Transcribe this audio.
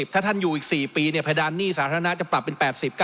ถ้าท่านอยู่อีก๔ปีเพดานหนี้สาธารณะจะปรับเป็น๘๐